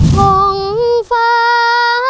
ฮ่องฟ้า